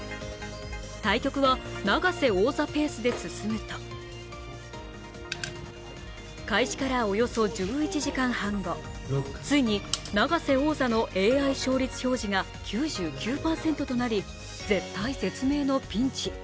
対局は永瀬王座ペースで進むと開始からおよそ１１時間半後、ついに永瀬王座のＡＩ勝率表示が９９％となり絶体絶命のピンチ。